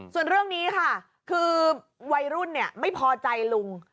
ส่วนเรื่องนี้ค่ะคือวัยรุ่นไม่พอใจลุง